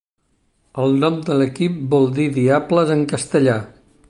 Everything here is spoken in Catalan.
El nom de l'equip vol dir "diables" en castellà.